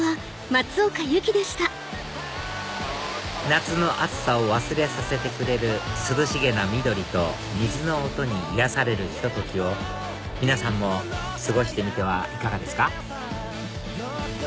夏の暑さを忘れさせてくれる涼しげな緑と水の音に癒やされるひと時を皆さんも過ごしてみてはいかがですか？